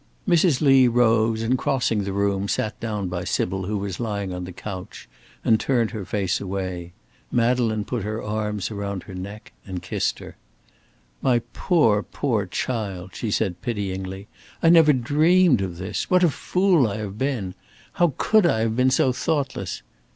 Mrs. Lee rose and, crossing the room, sat down by Sybil who was lying on the couch and turned her face away. Madeleine put her arms round her neck and kissed her. "My poor poor child!" said she pityingly. "I never dreamed of this! What a fool I have been! How could I have been so thoughtless!